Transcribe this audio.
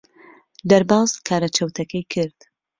دەرباز کارە چەوتەکەی کرد.